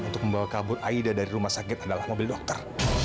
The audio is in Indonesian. untuk membawa kabur aida dari rumah sakit adalah mobil dokter